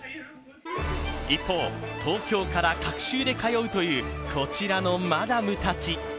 一方、東京から隔週で通うというこちらのマダムたち。